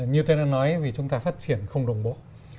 như tôi đã nói vì chúng ta phát triển không đồng bộ